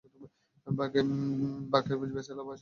বাকের bachelor বাসা।